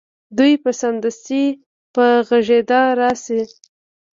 دوی به سمدستي په غږېدا راشي